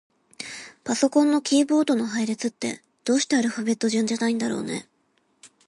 パソコンのキーボードの配列って、どうしてアルファベット順じゃないんだろうね。